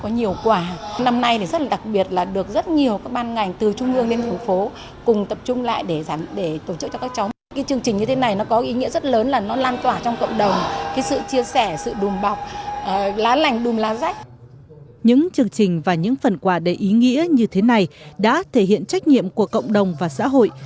những chương trình và những phần quà đầy ý nghĩa như thế này đã thể hiện trách nhiệm của cộng đồng và xã hội